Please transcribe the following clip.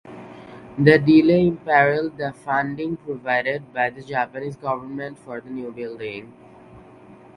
The delay imperiled the funding provided by the Japanese government for the new building.